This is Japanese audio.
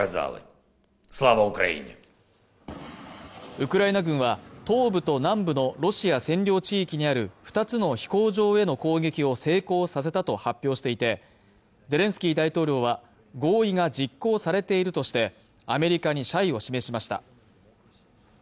ウクライナ軍は東部と南部のロシア占領地域にある２つの飛行場への攻撃を成功させたと発表していてゼレンスキー大統領は合意が実行されているとしてアメリカに謝意を示しました